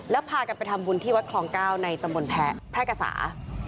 แล้วพากันไปทำบุญที่วัดคลองเกล้าในตำรวจแพ้พระกษา